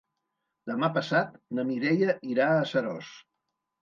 Demà passat na Mireia irà a Seròs.